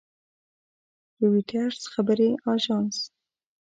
رویټرز خبري اژانس